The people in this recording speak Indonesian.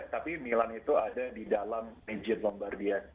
tapi milan itu ada di dalam region lombardia